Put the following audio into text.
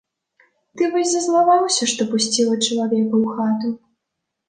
Ты вось зазлаваўся, што пусціла чалавека ў хату.